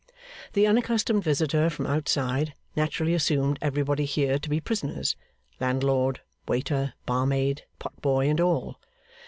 The unaccustomed visitor from outside, naturally assumed everybody here to be prisoners landlord, waiter, barmaid, potboy, and all.